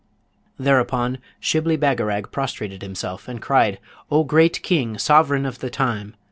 Thereupon Shibli Bagarag prostrated himself and cried, 'O great King, Sovereign of the Time!